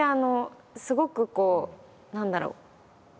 すごくこう何だろう